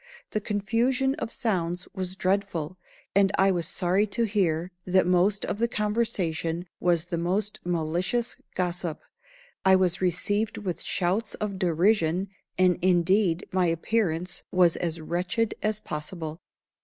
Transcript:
The confusion of sounds was dreadful, and I was sorry to hear that most of the conversation was the most malicious gossip. I was received with shouts of derision, and indeed my appearance was as wretched as possible.